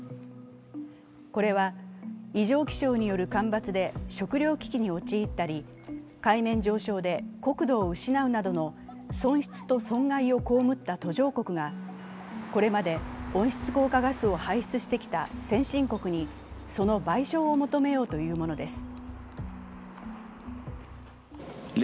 これは、異常気象による干ばつで食糧危機に陥ったり海面上昇で国土を失うなどの損失と損害をこうむった途上国がこれまで温室効果ガスを排出してきた先進国にその賠償を求めようというものです。